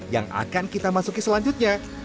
yang akan kita masuki selanjutnya